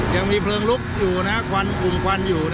ยังมีเพลิงลุกอยู่นะฮะควันคุมควันอยู่นะฮะ